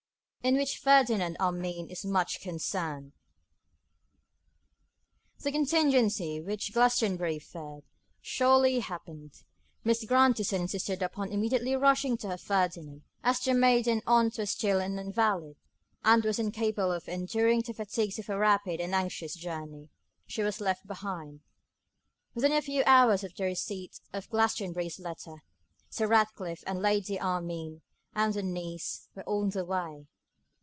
In Which Ferdinand Armine Is Much Concerned. THE contingency which Glastonbury feared, surely happened; Miss Grandison insisted upon immediately rushing to her Ferdinand; and as the maiden aunt was still an invalid, and was incapable of enduring the fatigues of a rapid and anxious journey, she was left behind. Within a few hours of the receipt of Glastonbury's letter, Sir Ratcliffe and Lady Armine, and their niece, were on their way.